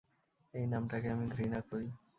এই নামটাকে আমি ঘৃণা করি!